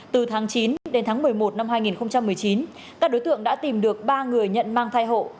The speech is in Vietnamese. từ tháng chín đến tháng một mươi một năm hai nghìn một mươi chín các đối tượng đã tìm được ba người nhận mang thai hộ